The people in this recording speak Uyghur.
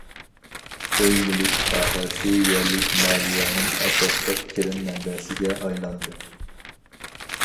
ئۆي- مۈلۈك ساھەسى يەرلىك مالىيەنىڭ ئاساسلىق كىرىم مەنبەسىگە ئايلاندى.